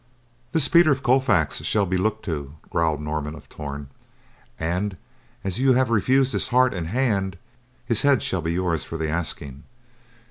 "This Peter of Colfax shall be looked to," growled Norman of Torn. "And, as you have refused his heart and hand, his head shall be yours for the asking.